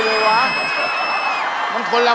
จับข้าว